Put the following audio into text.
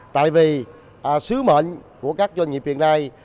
tại vì sứ mệnh của các doanh nghiệp hiện nay